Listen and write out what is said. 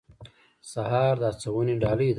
سهار د هڅونې ډالۍ ده.